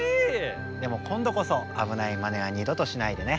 でもこんどこそあぶないまねはにどとしないでね。